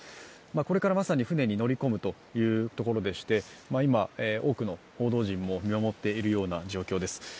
これからまさに船に乗り込むというところでして、多くの報道陣も見守っているような状況です。